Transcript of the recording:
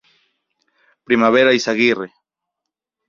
Primavera Izaguirre.